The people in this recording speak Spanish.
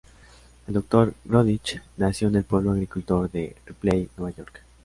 El Dr. Goodrich nació en el pueblo agricultor de Ripley, Nueva York.